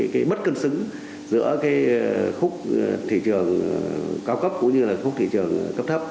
cái bất cân xứng giữa cái khúc thị trường cao cấp cũng như là khúc thị trường cấp thấp